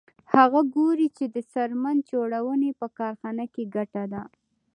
هغه ګوري چې د څرمن جوړونې په کارخانه کې ګټه ده